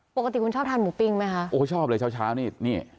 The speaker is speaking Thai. ปกติคุณชอบทานหมูปิ้งไหมคะโอ้ชอบเลยเช้าเช้านี่นี่